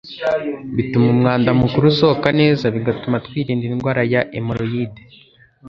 Bituma umwanda mukuru usohoka neza bigatuma twirinda indwara ya emoroyide